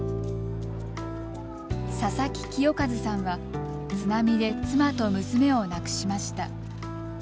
佐々木清和さんは津波で妻と娘を亡くしました。